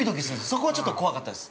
そこはちょっと怖かったです。